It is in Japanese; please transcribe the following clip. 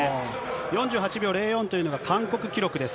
４８秒０４というのが韓国記録です。